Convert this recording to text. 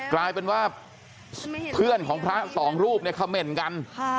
กลายเป็นว่าเพื่อนของพระสองรูปเนี่ยเขม่นกัน